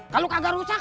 kalau kagak rusak